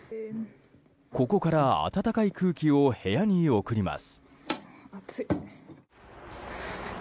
ここから暖かい空気を部屋に送ります。